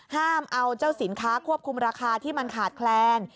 ห้ามเอาเจ้าสินค้าควบคุมราคาที่มันขาดแคลน